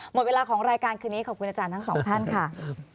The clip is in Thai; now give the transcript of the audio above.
หมดเวลาของรายการคืนนี้ขอบคุณอาจารย์ทั้งสองท่านค่ะ